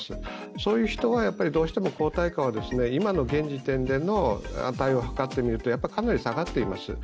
そういう人は抗体量は今の現時点での値をはかってみると、かなり下がっています。